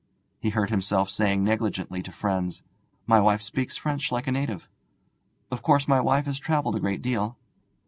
He heard himself saying negligently to friends: 'My wife speaks French like a native. Of course, my wife has travelled a great deal.